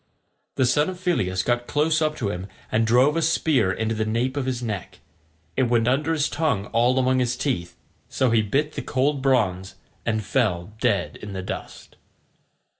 The son of Phyleus got close up to him and drove a spear into the nape of his neck: it went under his tongue all among his teeth, so he bit the cold bronze, and fell dead in the dust.